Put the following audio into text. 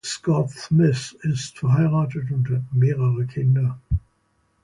Scott Smith ist verheiratet und hat mehrere Kinder.